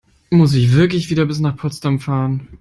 Muss ich wirklich wieder bis nach Potsdam fahren?